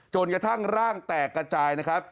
จนกระทั่งร่างแตกกระจายนะครับ